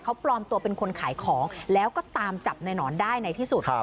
เขาปลอมตัวเป็นคนขายของแล้วก็ตามจับในหนอนได้ในที่สุด